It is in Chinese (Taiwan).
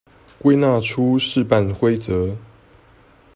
歸納出試辦規則